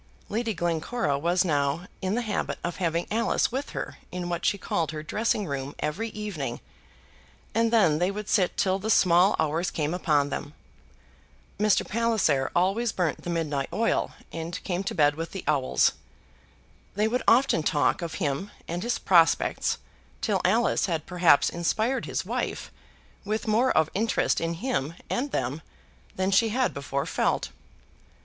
Lady Glencora was now in the habit of having Alice with her in what she called her dressing room every evening, and then they would sit till the small hours came upon them. Mr. Palliser always burnt the midnight oil and came to bed with the owls. They would often talk of him and his prospects till Alice had perhaps inspired his wife with more of interest in him and them than she had before felt.